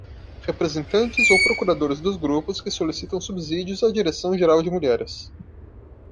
Representantes ou procuradores dos grupos que solicitam subsídios à Direção Geral de Mulheres.